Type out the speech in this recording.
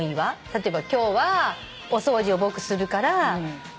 例えば今日はお掃除を僕するから。